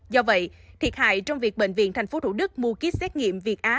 do vậy thiệt hại trong việc bệnh viện tp thủ đức mua kýt xét nghiệm việt á